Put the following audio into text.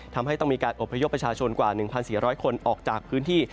ทำให้ต้องมีการอบพยพประชาชนกว่า๑๔๐๐คนออกจากพื้นที่